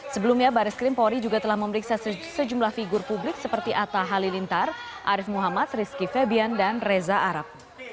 sebelumnya baris krimpori juga telah memeriksa sejumlah figur publik seperti atta halilintar arief muhammad rizky febian dan reza arab